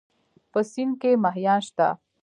په سيند کې مهيان شته؟